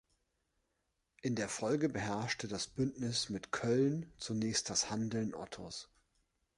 In der Folge beherrschte das Bündnis mit Köln zunächst das Handeln Ottos.